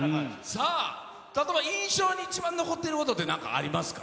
さあ、例えば印象に一番残っていることって何かありますか？